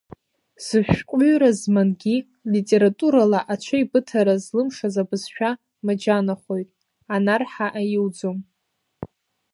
Зышәҟәҩыра змангьы, литературала аҽеибыҭара злымшаз абызшәа маџьанахоит, анарҳа аиуӡом.